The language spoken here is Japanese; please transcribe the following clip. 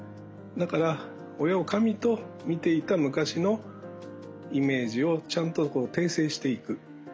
だから親を神と見ていた昔のイメージをちゃんと訂正していく。